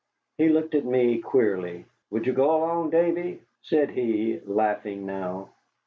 He looked at me queerly. "Would you go along, Davy?" said he, laughing now.